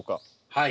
はい。